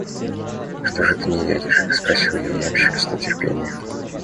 «Что же ты не едешь?» – спросил я ямщика с нетерпением.